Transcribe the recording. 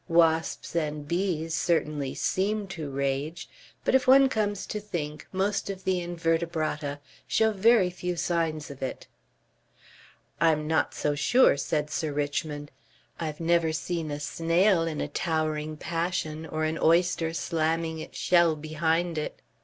"Wasps and bees certainly seem to rage, but if one comes to think, most of the invertebrata show very few signs of it." "I'm not so sure," said Sir Richmond. "I've never seen a snail in a towering passion or an oyster slamming its shell behind it.